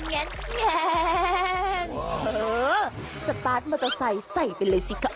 เฮ้อสปาร์ตมัตตาใส่ใส่ไปเลยสิคะ